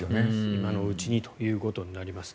今のうちにということになります。